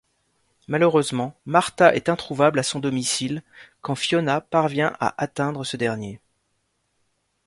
Malheureusement, Martha est introuvable à son domicile quand Fiona parvient à atteindre ce dernier.